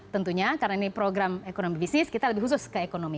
tentunya karena ini program ekonomi bisnis kita lebih khusus ke ekonomi